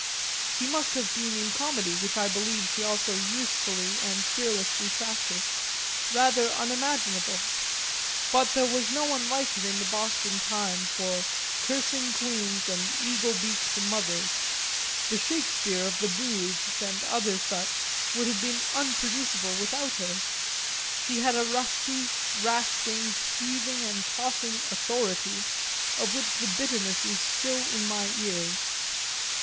She must have been in comedy, which I believe she also usefully and fearlessly practised, rather unimaginable; but there was no one like her in the Boston time for cursing queens and eagle beaked mothers; the Shakespeare of the Booths and other such would have been unproducible without her; she had a rusty, rasping, heaving and tossing "authority" of which the bitterness is still in my ears.